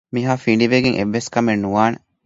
މިހާ ފިނޑިވެގެން އެއްވެސް ކަމެއް ނުވާނެ